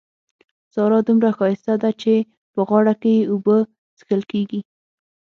سارا دومره ښايسته ده چې په غاړه کې يې اوبه څښل کېږي.